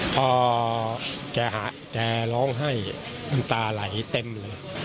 พอแกหาแกร้องให้ตาไหลเต็มเลย